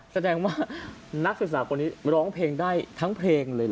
แสดงว่านักศึกษาคนนี้ร้องเพลงได้ทั้งเพลงเลยเห